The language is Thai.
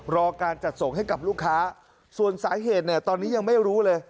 รอการจัดส่งให้กับลูกค้าส่วนสาเหตุเนี่ยตอนนี้ยังไม่รู้เลย